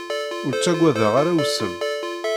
Ur ttagadeɣ ara usem.